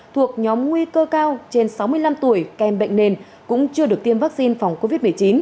thuộc nhóm nguy cơ cao trên sáu mươi năm tuổi kèm bệnh nền cũng chưa được tiêm vaccine phòng covid một mươi chín